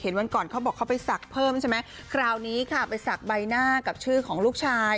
วันก่อนเขาบอกเขาไปศักดิ์เพิ่มใช่ไหมคราวนี้ค่ะไปศักดิ์ใบหน้ากับชื่อของลูกชาย